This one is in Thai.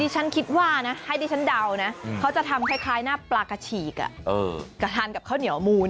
ฉันคิดว่านะให้ดิฉันเดานะเขาจะทำคล้ายหน้าปลากระฉีกก็ทานกับข้าวเหนียวมูล